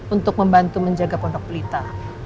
untuk membantu menjaga pondok pelita